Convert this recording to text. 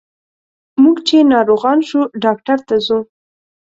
موږ چې ناروغان شو ډاکټر ته ځو.